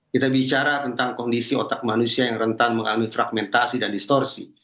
kita bicara tentang kondisi otak manusia yang rentan mengalami fragmentasi dan distorsi